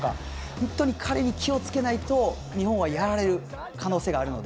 本当に彼に気をつけないと日本はやられる可能性があるので。